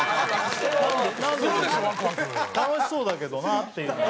楽しそうだけどなっていうのは。